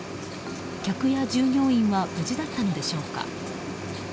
客や従業員は無事だったのでしょうか。